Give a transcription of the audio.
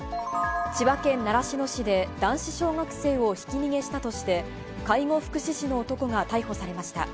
千葉県習志野市で男子小学生をひき逃げしたとして、介護福祉士の男が逮捕されました。